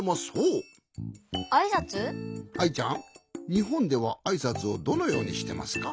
にほんではあいさつをどのようにしてますか？